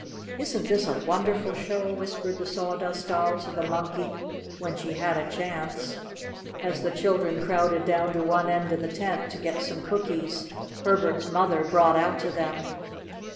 "Isn't this a wonderful show?" whispered the Sawdust Doll to the Monkey, when she had a chance, as the children crowded down to one end of the tent to get some cookies Herbert's mother brought out to them.